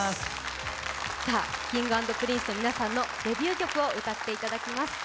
Ｋｉｎｇ＆Ｐｒｉｎｃｅの皆さんのデビュー曲を歌っていただきます。